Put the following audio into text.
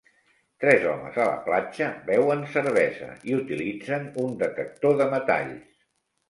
Tres homes a la platja beuen cervesa i utilitzen un detector de metalls.